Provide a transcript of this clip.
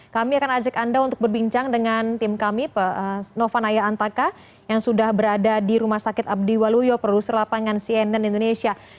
kami akan ajak anda untuk berbincang dengan tim kami novanaya antaka yang sudah berada di rumah sakit abdiwaluyo produser lapangan cnn indonesia